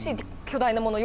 巨大なもの